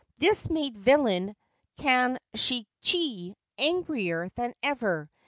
This made villain Kanshichi angrier than ever.